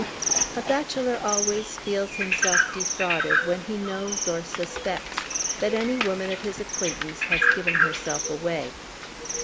A bachelor always feels himself defrauded, when he knows or suspects that any woman of his acquaintance has given herself away.